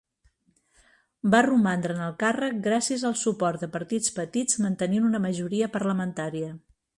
Va romandre en el càrrec, gràcies al suport de partits petits mantenint una majoria parlamentària.